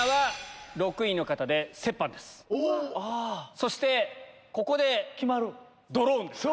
そしてここでドローンです。